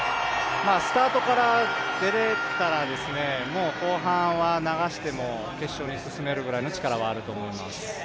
スタートから出られたら、もう後半は流しても決勝に進めるぐらいの力はあると思います。